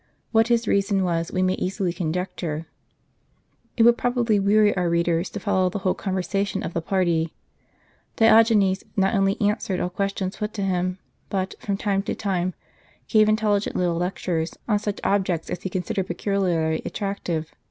What his reason was we may easily conjecture. It would probably weary our readers to follow the whole conversation of the party. Diogenes not only answered all questions put to him, but, from time to time, gave intelligent little lectures, on such objects as he considered peculiarly attractive.